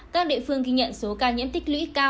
các địa phương ghi nhận số ca nhiễm tích lũy cao trong đời